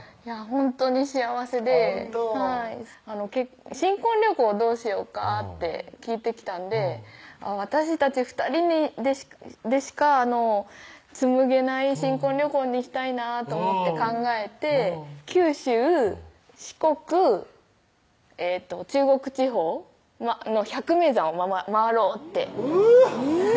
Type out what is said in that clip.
ほんとに幸せで「新婚旅行どうしようか」って聞いてきたんで私たち２人でしか紡げない新婚旅行にしたいなと思って考えて九州・四国・中国地方の百名山を回ろうってフゥーッ！